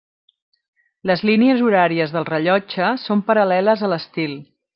Les línies horàries del rellotge són paral·leles a l'estil.